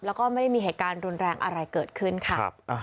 แล้วก็ไม่มีแห่งการรนแรงอะไรเกิดขึ้นค่ะ